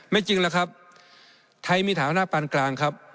ไม่จริงหรอกครับไทยมีฐานะปานกลางครับ